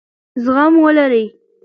زغم ولرئ.